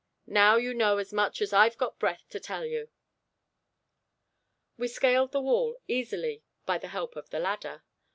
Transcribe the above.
Now you know as much as I've got breath to tell you." We scaled the wall easily by the help of the ladder.